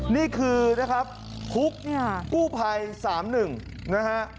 นี่คือครุกกู้ภัย๓๑นะฮะ